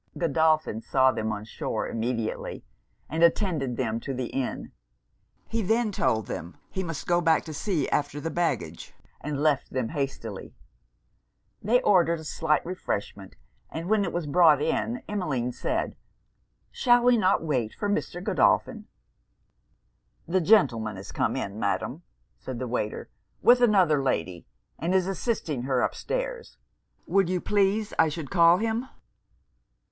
Godolphin saw them on shore immediately, and attended them to the inn. He then told them he must go back to see after the baggage, and left them hastily. They ordered a slight refreshment; and when it was brought in, Emmeline said 'Shall we not wait for Mr. Godolphin?' 'The Gentleman is come in, Madam,' said the waiter, 'with another lady, and is assisting her up stairs. Would you please I should call him?'